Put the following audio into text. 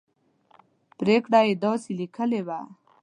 پرېکړه یې داسې لیکلې وه.